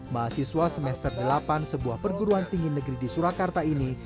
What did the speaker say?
mahasiswa semester delapan sebuah perguruan tinggi negeri di surakarta ini